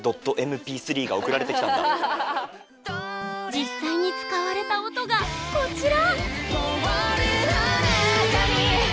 実際に使われた音がこちら！